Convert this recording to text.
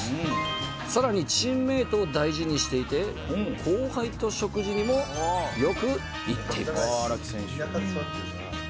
「さらにチームメイトを大事にしていて後輩と食事にもよく行っています」